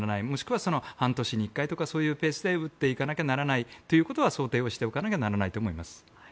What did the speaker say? もしくは半年に１回とかそういうペースで打っていかなきゃならないとかそういうことは想定をしておかないとならないと思います。